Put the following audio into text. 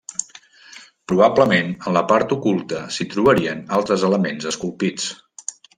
Probablement, en la part oculta, s'hi trobarien altres elements esculpits.